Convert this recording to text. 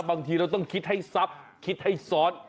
บางทีเราต้องคิดให้ซับคิดให้ซ้อน